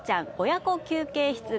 親子休憩室です。